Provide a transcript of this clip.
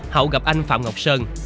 hậu gặp anh phạm ngọc sơn